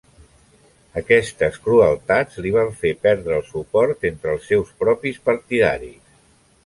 Aquestes crueltats li van fer perdre el suport entre els seus propis partidaris.